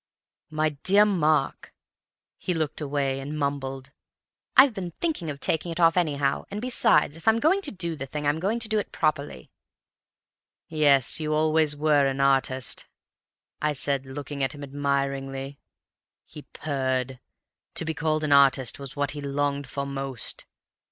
"'My dear Mark!' "He looked away, and mumbled, 'I've been thinking of taking it off, anyhow. And besides, if I'm going to do the thing, I'm going to do it properly.' "'Yes, you always were an artist,' I said, looking at him admiringly. "He purred. To be called an artist was what he longed for most.